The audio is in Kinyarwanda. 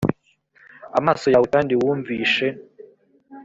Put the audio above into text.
amaso yawe kandi wumvishe